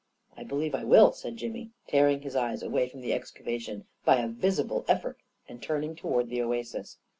" I believe I will," said Jimmy, tearing his eyes away from the excavation by a visible effort and turning toward the oasis.